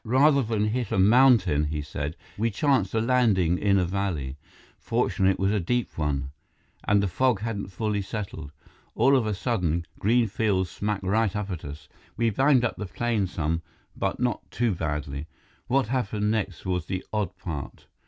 "Rather than hit a mountain," he said, "we chanced a landing in a valley. Fortunately it was a deep one, and the fog hadn't fully settled. All of a sudden, green fields smacked right up at us. We banged up the plane some, but not too badly. What happened next was the odd part."